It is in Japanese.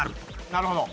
なるほど。